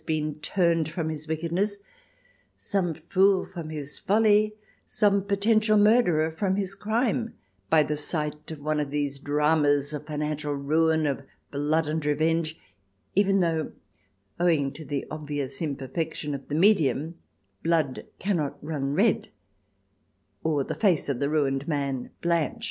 XX] TRIER 283 been turned from his wickedness, some fool from his folly, some potential murderer from his crime, by the sight of one of these dramas of financial ruin, of blood and revenge, even though, owing to the obvious imperfection of the medium, blood cannot run red or the face of the ruined man blanch.